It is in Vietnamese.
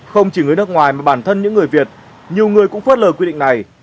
không chỉ người nước ngoài mà bản thân những người việt nhiều người cũng phớt lờ quy định này